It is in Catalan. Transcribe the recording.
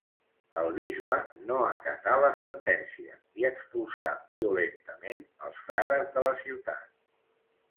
El bisbe no acatà la sentència i expulsà violentament els frares de la ciutat.